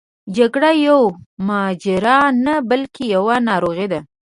جګړه یوه ماجرا نه بلکې یوه ناروغي ده.